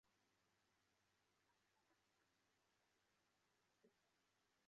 台中市立大墩文化中心是位于台中市西区的公立艺文场所。